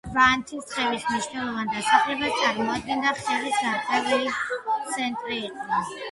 ვანთისხევის მნიშვნელოვან დასახლებას წარმოადგენდა და ხევის გარკვეული ცენტრი იყო.